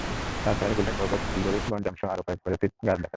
রাতারগুলে করচ, হিজল, বনজামসহ আরও বেশ কয়েক প্রজাতির গাছ দেখা যায়।